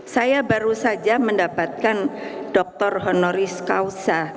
saya baru saja mendapatkan dokter honoris causa